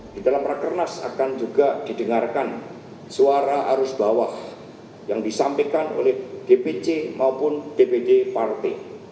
di dalam rakernas akan juga didengarkan suara arus bawah yang disampaikan oleh dpc maupun dpd partai